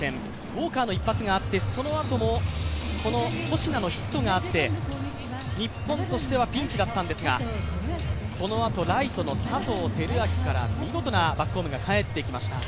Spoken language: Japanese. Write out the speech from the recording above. ウォーカーの一発があってそのあとも保科のヒットがあって日本としてはピンチだったんですが、このあと、ライトの佐藤輝明から見事なバックホームが帰ってきました。